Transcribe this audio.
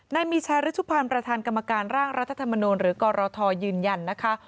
นายมีชายฤชุพันธ์ประธานกรรมการร่างรัฐธรรมนูลหรือกรทยืนยันนะคะ